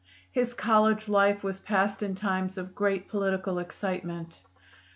His college life was passed in times of great political excitement.